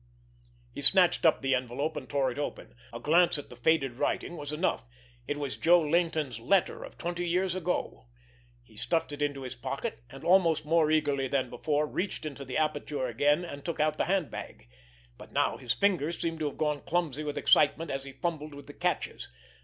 He snatched up the envelope, and tore it open. A glance at the faded writing was enough; it was Joe Laynton's letter of twenty years ago. He stuffed it into his pocket; and, almost more eagerly than before, reached into the aperture again, and took out the handbag. But now his fingers seemed to have gone clumsy with excitement as he fumbled with the catches.